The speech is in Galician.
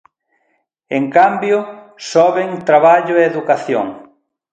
En cambio, soben traballo e educación.